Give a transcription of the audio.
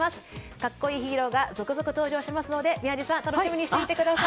格好いいヒーローが続々登場しますので宮司さん楽しみにしていてください。